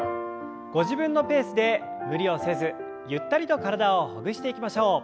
ご自分のペースで無理をせずゆったりと体をほぐしていきましょう。